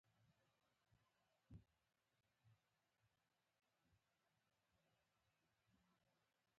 د لوړو څوکو او پراخو وادیو لرونکي دي.